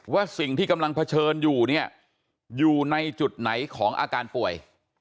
ว่าสิ่งที่กำลังเผชิญอยู่เนี่ยอยู่ในจุดไหนของอาการป่วย